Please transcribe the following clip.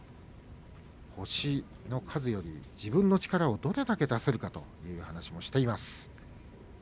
星の数より自分の力をどれだけ出せるかという話をしています。